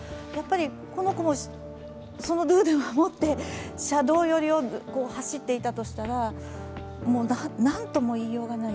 この子もそのルールを守って車道寄りを走っていたとしたら、何とも言いようがない。